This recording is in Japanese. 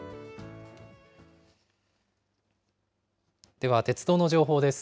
では鉄道の情報です。